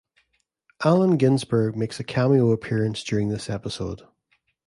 Allen Ginsberg makes a cameo appearance during this episode.